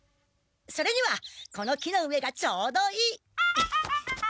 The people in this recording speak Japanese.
それにはこの木の上がちょうどいい！